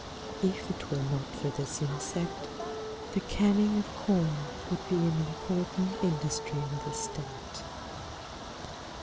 If it were not for this insect the canning of corn would be an important industry in this State.